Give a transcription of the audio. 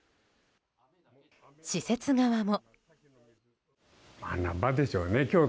施設側も。